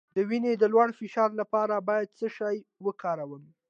د وینې د لوړ فشار لپاره باید څه شی وکاروم؟